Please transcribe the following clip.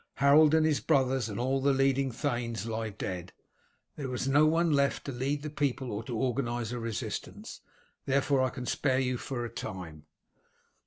Harold and his brothers and all the leading thanes lie dead. There is no one left to lead the people or organize a resistance, therefore I can spare you for a time."